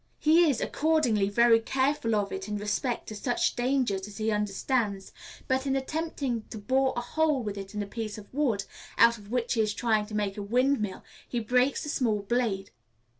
He is, accordingly, very careful of it in respect to such dangers as he understands, but in attempting to bore a hole with it in a piece of wood, out of which he is trying to make a windmill, he breaks the small blade.